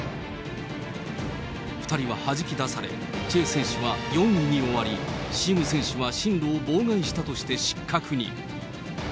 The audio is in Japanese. ２人ははじき出され、チェ選手は４位に終わり、シム選手は進路を妨害したとして失格に。